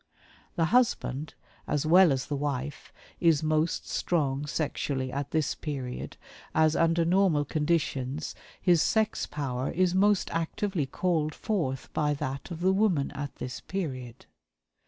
The husband, as well as the wife, is most strong sexually at this period, as under normal conditions his sex power is most actively called forth by that of the woman at this period.